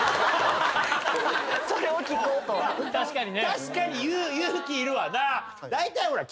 確かに勇気いるわな。